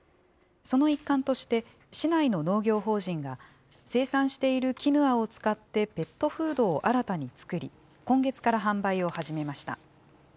その一環として、市内の農業法人が、生産しているキヌアを使ってペットフードを新たに作り、今月から販売を始めました。